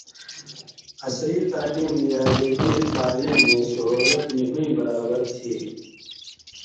عصری تعلیم یا جدید تعلیمَیں سہولت نی ہُوئیں برابر تھی۔